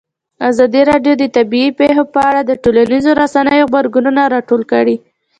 ازادي راډیو د طبیعي پېښې په اړه د ټولنیزو رسنیو غبرګونونه راټول کړي.